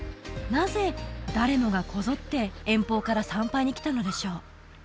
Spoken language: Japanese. なぜ誰もがこぞって遠方から参拝に来たのでしょう？